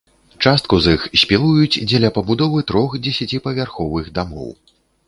Частку з іх спілуюць дзеля пабудовы трох дзесяціпавярховых дамоў.